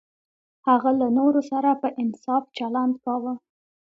هغه له نورو سره په انصاف چلند کاوه.